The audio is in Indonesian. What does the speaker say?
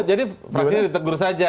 jadi fraksinya ditegur saja